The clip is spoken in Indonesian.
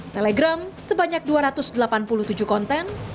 telegram sebanyak dua ratus delapan puluh tujuh konten